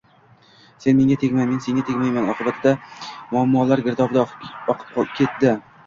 «sen menga tegma, men senga tegmayman» oqibatida muammolar girdobida qolib ketdi.